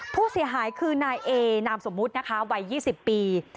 ผู้เสียหายคือนายเอนามสมมุตินะคะวัย๒๐ปี